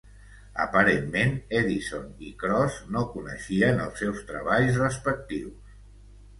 Aparentment Edison i Cros no coneixien els seus treballs respectius.